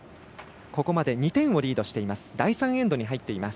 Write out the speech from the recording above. ここまで２点をリードしています。